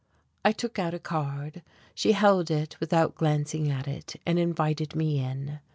I took out a card. She held it without glancing at it, and invited me in.